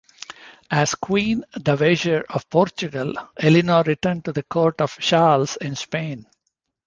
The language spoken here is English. As Queen Dowager of Portugal, Eleanor returned to the court of Charles in Spain.